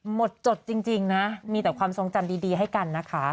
จดจริงนะมีแต่ความทรงจำดีให้กันนะคะ